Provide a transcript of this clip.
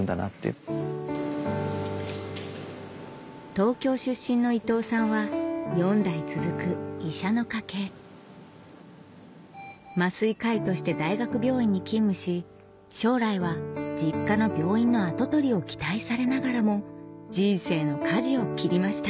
東京出身の伊藤さんは４代続く医者の家系麻酔科医として大学病院に勤務し将来は実家の病院の跡取りを期待されながらも人生の舵を切りました